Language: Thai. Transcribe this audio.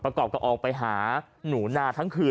ประกอบกับออกไปหาหนูนาทั้งคืน